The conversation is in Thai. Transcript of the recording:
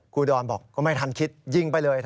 คุณอุดรบอกว่าไม่ทันคิดยิงไปเลย